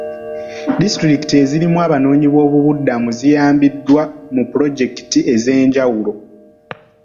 Disitulikiti ezirimu abanoonyiboobubudamu ziyambiddwa mu pulojekiti ez'enjawulo.